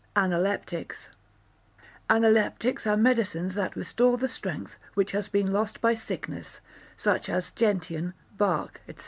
Analeptics Analeptics are medicines that restore the strength which has been lost by sickness, such as gentian, bark, &c.